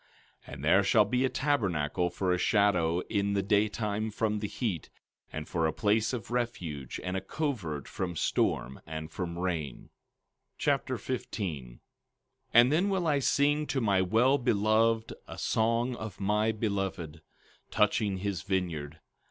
14:6 And there shall be a tabernacle for a shadow in the daytime from the heat, and for a place of refuge, and a covert from storm and from rain. 2 Nephi Chapter 15 15:1 And then will I sing to my well beloved a song of my beloved, touching his vineyard.